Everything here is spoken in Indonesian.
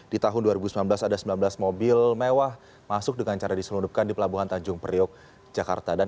di tahun dua ribu sembilan belas ada sembilan belas mobil mewah masuk dengan cara diselundupkan di pelabuhan tanjung priok jakarta